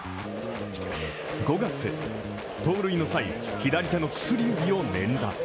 ５月、盗塁の際、左手の薬指を捻挫。